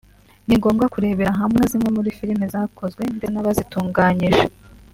ni ngombwa kurebera hamwe zimwe muri filime zakozwe ndetse n’abazitunganyije